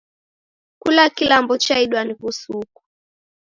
Kula kilambo chaidwaa ni w'usuku.